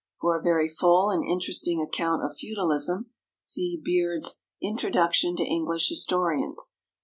For a very full and interesting account of feudalism, see Beard's "Introduction to English Historians," pp.